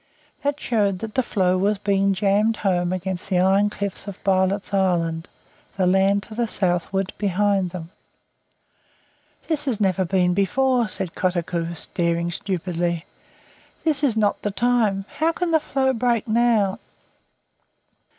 That showed that the floe was being jammed home against the iron cliffs of Bylot's Island, the land to the southward behind them. "This has never been before," said Kotuko, staring stupidly. "This is not the time. How can the floe break NOW?"